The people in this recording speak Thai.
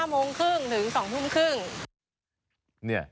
โมงครึ่งถึง๒ทุ่มครึ่ง